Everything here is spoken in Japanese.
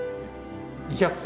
２００歳？